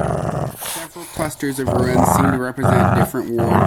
Several clusters of ruins seem to represent different wards.